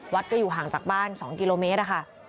วัดก็อยู่ห่างจากบ้าน๒กิโลเมตรค่ะ